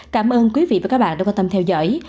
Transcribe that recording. cảm ơn quý vị và các bạn đã quan tâm theo dõi